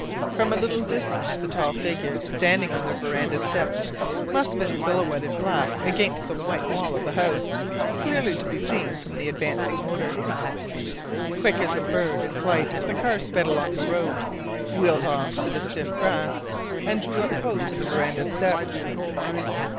From a little distance the tall figure standing on the veranda steps must have been silhouetted black against the white wall of the house, clearly to be seen from the advancing motor. Quick as a bird in flight the car sped along the road, wheeled on to the stiff grass, and drew up close to the veranda steps.